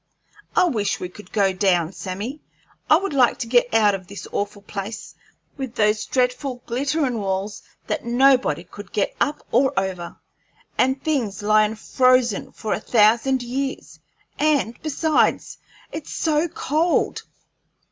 I wish we would go down, Sammy; I would like to get out of this awful place, with those dreadful glitterin' walls that nobody could get up or over, and things lyin' frozen for a thousand years; and, besides, it's so cold!"